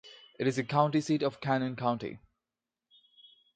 It is the county seat of Cannon County.